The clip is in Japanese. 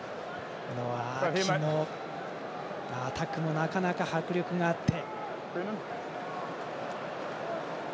アキのアタックもなかなか迫力があって。